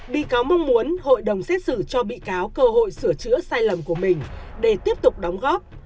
bị cáo mong muốn hội đồng xét xử cho bị cáo cơ hội sửa chữa sai lầm của mình để tiếp tục đóng góp